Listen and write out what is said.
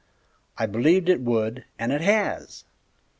I believed it would, and it has!"